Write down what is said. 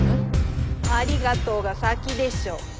ありがとうが先でしょう。